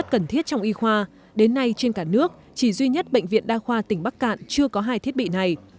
cần thiết trong y khoa đến nay trên cả nước chỉ duy nhất bệnh viện đa khoa tỉnh bắc cạn chưa có hai thiết bị này